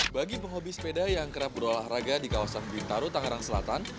bagi penghobi sepeda yang kerap berolahraga di kawasan bintaro tangerang selatan